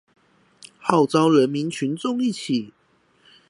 號召人民群眾一起